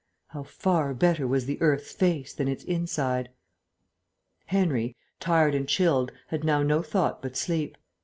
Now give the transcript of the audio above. How far better was the earth's face than its inside! Henry, tired and chilled, had now no thought but sleep.